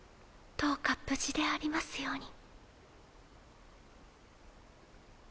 どうか無事でありますように。